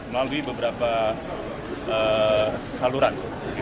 melalui beberapa saluran